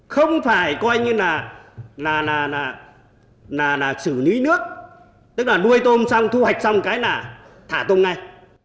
không phải coi như là xử lý nước tức là nuôi tôm xong thu hoạch xong cái là thả tôm ngay